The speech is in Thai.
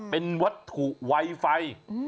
เป็นวัตถุไวไฟ